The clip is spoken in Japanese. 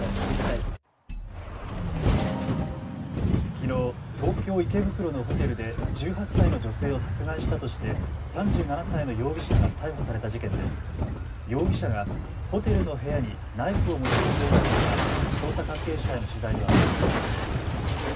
きのう東京池袋のホテルで１８歳の女性を殺害したとして３７歳の容疑者が逮捕された事件で容疑者がホテルの部屋にナイフを持ち込んでいたことが捜査関係者への取材で分かりました。